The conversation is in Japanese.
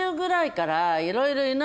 いろいろ。